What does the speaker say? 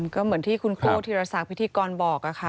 ก็เหมือนที่คุณครูธีรศักดิ์พิธีกรบอกค่ะ